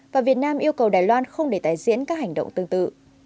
và việt nam yêu cầu đài loan không để tái diễn các hành động tương tự